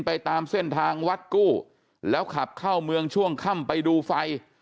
ไปตามเส้นทางวัดกู้แล้วขับเข้าเมืองช่วงค่ำไปดูไฟ